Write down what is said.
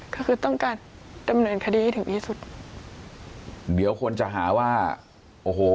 ก็คือต้องการดำเนินคดีให้ถึงที่สุดเดี๋ยวคนจะหาว่าโอ้โห